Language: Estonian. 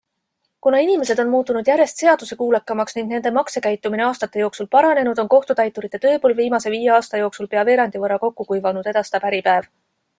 Kuna inimesed on muutunud järjest seaduskuulekamaks ning nende maksekäitumine aastate jooksul paranenud, on kohtutäiturite tööpõld viimase viie aasta jooksul pea veerandi võrra kokku kuivanud, edastab Äripäev.